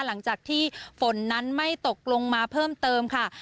หลังจากที่ฝนนั้นไม่ตกลงมาเพิ่มเติมค่ะ